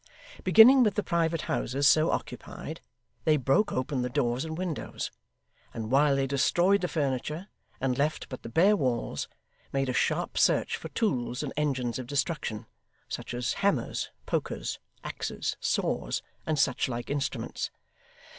Beginning with the private houses so occupied, they broke open the doors and windows; and while they destroyed the furniture and left but the bare walls, made a sharp search for tools and engines of destruction, such as hammers, pokers, axes, saws, and such like instruments.